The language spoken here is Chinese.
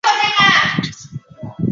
小臭鼩为鼩鼱科臭鼩属的动物。